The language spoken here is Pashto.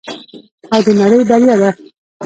او د نړۍ بریا ده.